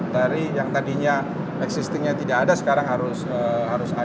dari yang tadinya existingnya tidak ada sekarang harus ada